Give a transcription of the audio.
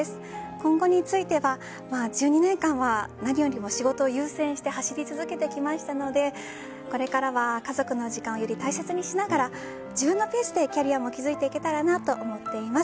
今後については１２年間は何よりも仕事を優先して走り続けてきましたのでこれからは家族の時間をより大切にしながら自分のペースでキャリアも築いていけたらなと思っています。